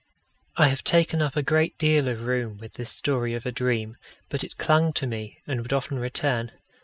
I have taken up a great deal of room with this story of a dream, but it clung to me, and would often return.